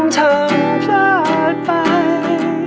ฉันทำพลาดไป